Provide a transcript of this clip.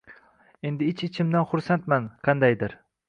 Endi ich-ichimdan xursandman qandaydir.